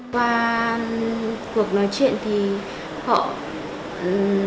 qua cuộc nói chuyện thì họ nói chuyện